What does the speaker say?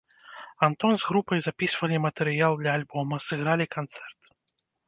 Антон з групай запісвалі матэрыял для альбома, сыгралі канцэрт.